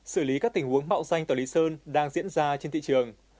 xử lý các tình huống bạo danh ở lý sơn đang diễn ra trên thị trường